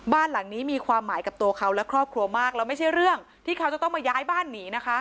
บ้านหลังนี้มีความหมายกับตัวเขาและครอบครัวมากแล้วไม่ใช่เรื่องที่เขาจะต้องมาย้ายบ้านหนีนะคะ